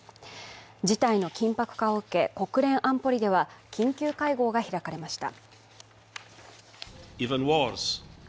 事態の緊迫化を受け、国連安保理では緊急会合が開かれました。